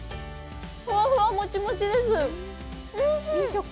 ふわふわもちもちです、おいしい。